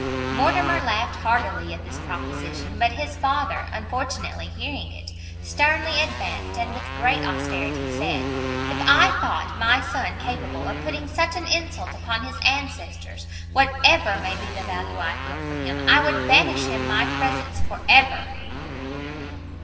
Mortimer laughed heartily at this proposition; but his father, unfortunately hearing it, sternly advanced, and with great austerity said, "If I thought my son capable of putting such an insult upon his ancestors, whatever may be the value I feel for him, I would banish him my presence for ever."